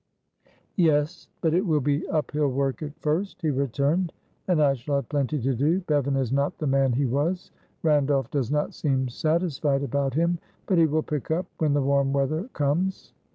"Yes, but it will be uphill work at first," he returned, "and I shall have plenty to do. Bevan is not the man he was, Randolph does not seem satisfied about him; but he will pick up when the warm weather comes.